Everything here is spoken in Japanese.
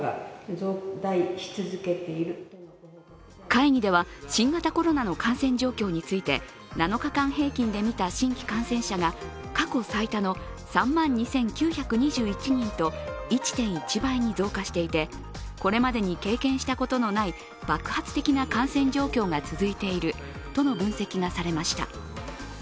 会議では新型コロナの感染状況について７日間平均で見た新規感染者が過去最多の３万２９２１人と１．１倍に増加していてこれまでに経験したことのない爆発的な感染状況が続いているとの分析がされました。